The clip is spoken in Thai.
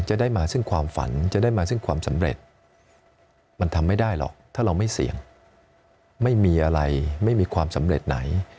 จะได้มาซึ่งความฝันจะได้มาซึ่งความสำเร็จมันทำไม่ได้หรอกถ้าเราไม่เสี่ยงไม่มีอะไรไม่มีความสำเร็จไหน